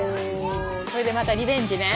これでまたリベンジね。